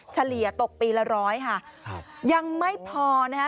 เฉลี่ยตกปีละ๑๐๐ค่ะยังไม่พอนะฮะ